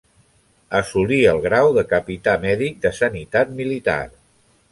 Assolí el grau de capità mèdic de sanitat militar.